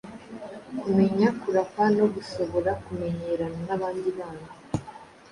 kumenya kurapa no gushobora kumenyerana n’abandi bana